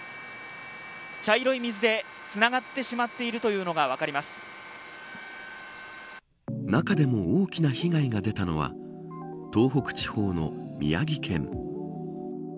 茶色い水でつながってしまっている中でも大きな被害が出たのは東北地方の宮城県。